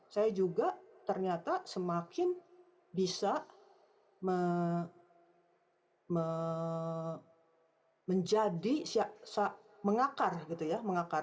saya juga ternyata semakin bisa me me menjadi mengakar gitu ya mengakar